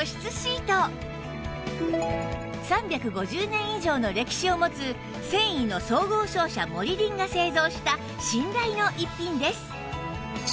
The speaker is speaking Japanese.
３５０年以上の歴史を持つ繊維の総合商社モリリンが製造した信頼の逸品です